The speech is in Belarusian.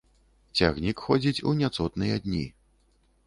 Цягнік ходзіць у няцотныя дні.